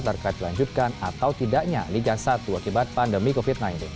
terkait dilanjutkan atau tidaknya liga satu akibat pandemi covid sembilan belas